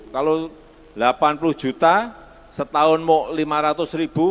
kalau delapan puluh juta setahun mau lima ratus ribu